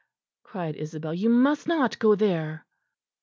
cried Isabel, "you must not go there."